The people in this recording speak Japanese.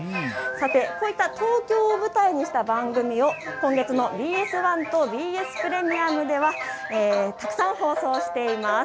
こういった東京を舞台にした番組を今月のＢＳ１とＢＳプレミアムではたくさん放送しています。